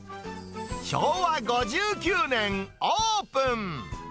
昭和５９年、オープン。